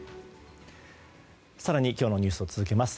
更に今日のニュースを続けます。